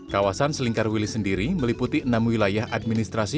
kawasan selingkar wilis sendiri meliputi enam wilayah administrasi